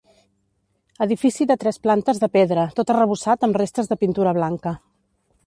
Edifici de tres plantes de pedra, tot arrebossat amb restes de pintura blanca.